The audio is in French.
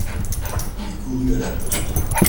Il courut à la poste.